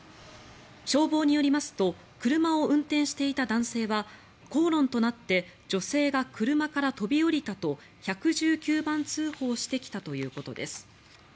消防によりますと車を運転していた男性は口論となって女性が車から飛び降りたと１１９番通報してきたということです。